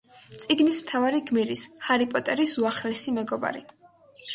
წიგნის მთავარი გმირის, ჰარი პოტერის უახლოესი მეგობარი.